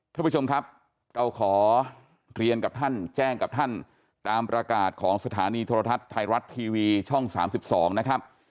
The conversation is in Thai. ท่านผู้ชมครับเราขอเรียนกับท่านแจ้งกับท่านตามประกาศของสถานีโทรทัศน์ไทยรัฐทีวีช่อง๓๒นะครับ